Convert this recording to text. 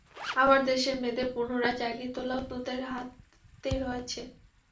আবার দেশের মেয়েদের পুনরায় জাগিয়ে তোলাও তোদের হাতে রয়েছে।